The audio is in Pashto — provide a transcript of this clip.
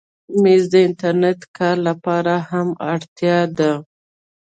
مېز د انټرنېټ کار لپاره هم اړتیا ده.